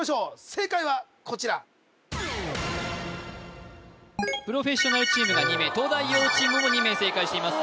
正解はこちらプロフェッショナルチームが２名東大王チームも２名正解しています